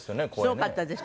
すごかったですよ。